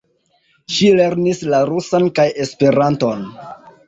Ŝi lernis la rusan kaj Esperanton.